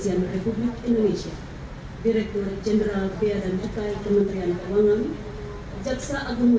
oleh caksa penuntutmu